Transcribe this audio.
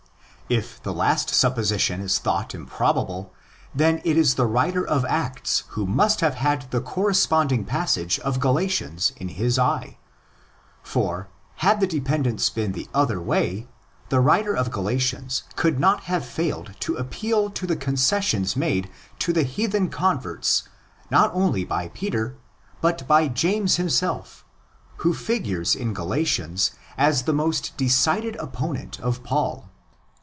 If the last supposition is thought improbable, then it is the writer of Acts who must have had the corresponding passage of Galatians in his eye. For, had the dependence been the other way, the writer of Galatians could not have failed to appeal to the concessions made to the heathen con verts not only by Peter, but by James himself, who figures in Galatians as the most decided opponent of Paul.